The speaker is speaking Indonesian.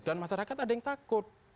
dan masyarakat ada yang takut